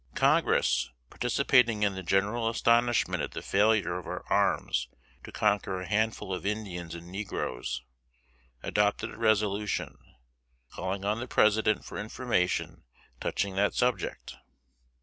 Congress, participating in the general astonishment at the failure of our arms to conquer a handful of Indians and negroes, adopted a resolution, calling on the President for information touching that subject.